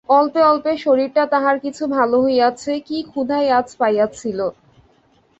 অল্পে অল্পে শরীরটা তাহার কিছু ভালো হইয়াছে, কী ক্ষুধাই আজ পাইয়াছিল!